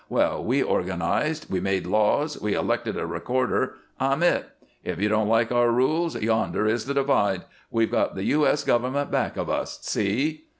Well! We organized. We made laws. We elected a recorder. I'm it. If you don't like our rules, yonder is the divide. We've got the U. S. government back of us. See!"